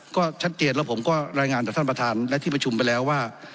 ก็ชัดเจนแล้วผมก็รายงานจากท่านประธานและที่ประชุมไปแล้วว่า